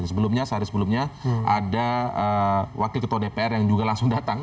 sebelumnya sehari sebelumnya ada wakil ketua dpr yang juga langsung datang